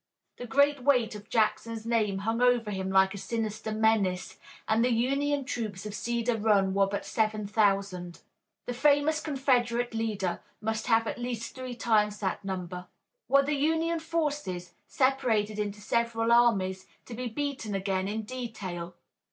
The great weight of Jackson's name hung over him like a sinister menace, and the Union troops on Cedar Run were but seven thousand. The famous Confederate leader must have at least three times that number. Were the Union forces, separated into several armies, to be beaten again in detail?